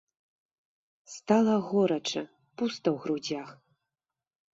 Стала горача, пуста ў грудзях.